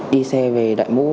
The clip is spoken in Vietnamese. đi xe về đại mũ